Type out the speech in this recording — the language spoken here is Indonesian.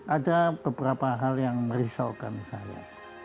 ada beberapa hal yang merisaukan saya